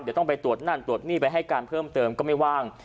เดี๋ยวต้องไปตรวจนั่นตรวจนี่ไปให้การเพิ่มเติมก็ไม่ว่าง